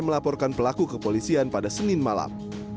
melaporkan pelaku kepolisian pada senin malam